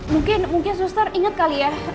mungkin mungkin suster ingat kali ya